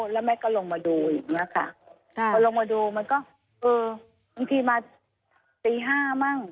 แล้วแม่ก็ลงมาดูอย่างเงี้ยค่ะพอลงมาดูมันก็เออบางทีมาตีห้ามั่ง